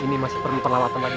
ini masih perlaluan lagi